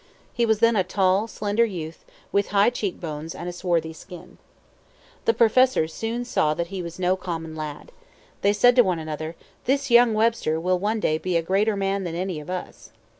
He was then a tall, slender youth, with high cheek bones and a swarthy skin. The professors soon saw that he was no common lad. They said to one another, "This young Webster will one day be a greater man than any of us."